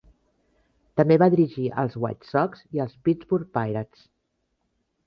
També va dirigir els White Sox i els Pittsburgh Pirates.